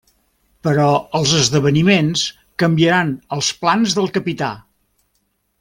Però els esdeveniments canviaran els plans del capità.